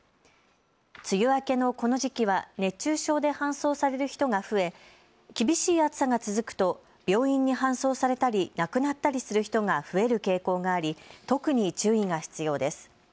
梅雨明けのこの時期は熱中症で搬送される人が増え、厳しい暑さが続くと病院に搬送されたり亡くなったりする人が増える傾向があり特に注意が必要です。